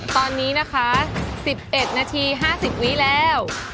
ตอนนี้นะคะ๑๑นาที๕๐วิแล้ว